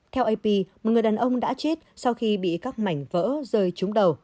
theo ap một người đàn ông đã chết sau khi bị các mảnh vỡ rơi trúng đầu